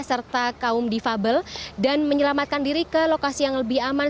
serta kaum difabel dan menyelamatkan diri ke lokasi yang lebih aman